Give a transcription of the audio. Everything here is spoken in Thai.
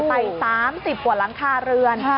ไป๓๐กว่าหลังคาเรือน